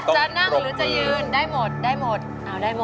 เส้นใจเพลง